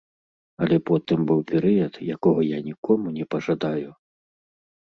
Але потым быў перыяд, якога я нікому не пажадаю.